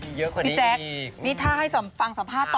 พี่แจ๊คนี่ถ้าให้ฟังสัมภาษณ์ต่อ